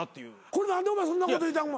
これ何でお前そんなこと言うたん？